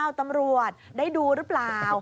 ตำรวจได้ดูหรือเปล่า